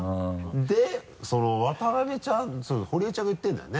で渡邊ちゃん堀江ちゃんが言ってるんだよね？